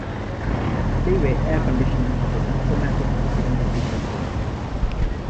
They were air-conditioned with automatic humidity control.